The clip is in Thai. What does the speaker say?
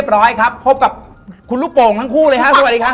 พบกับคุณรูปป่งทั้งคู่เลยครับสวัสดีครับ